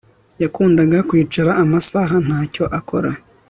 Yakundaga kwicara amasaha ntacyo akora